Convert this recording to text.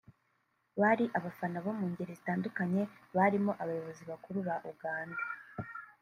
Bari abafana bo mu ngeri zitandukanye barimo abayobozi bakuru ba Uganda